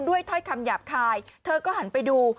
ถ้อยคำหยาบคายเธอก็หันไปดู